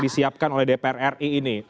disiapkan oleh dpr ri ini